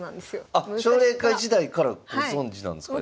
あっ奨励会時代からご存じなんですか？